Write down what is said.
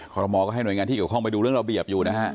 รมอลก็ให้หน่วยงานที่เกี่ยวข้องไปดูเรื่องระเบียบอยู่นะฮะ